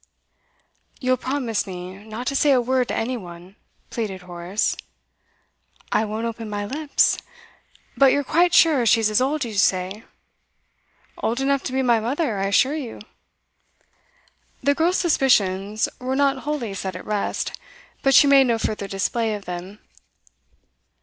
'You'll promise me not to say a word to any one?' pleaded Horace. 'I won't open my lips. But you're quite sure she's as old as you say?' 'Old enough to be my mother, I assure you.' The girl's suspicions were not wholly set at rest, but she made no further display of them.